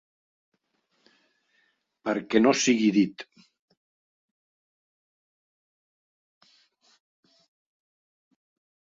Perquè no sigui dit.